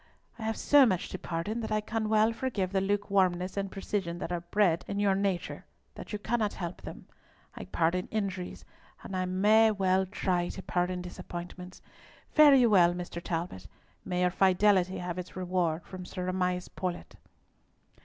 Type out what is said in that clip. "I have so much to pardon that I can well forgive the lukewarmness and precision that are so bred in your nature that you cannot help them. I pardon injuries, and I may well try to pardon disappointments. Fare you well, Mr. Talbot; may your fidelity have its reward from Sir Amias Paulett."